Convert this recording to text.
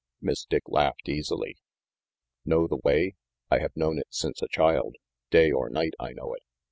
Miss Dick laughed easily. "Know the way? I have known it since a child. Day or night I know it.